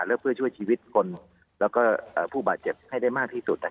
และเพื่อช่วยชีวิตคนแล้วก็ผู้บาดเจ็บให้ได้มากที่สุด